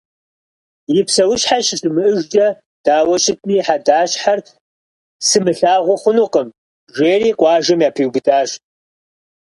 «И псэущхьэ щыщымыӀэжкӀэ дауэ щытми и хьэдащхьэр сымылъагъуу хъунукъым», – жери къуажэм япиубыдащ.